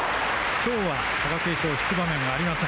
きょうは貴景勝引く場面がありません。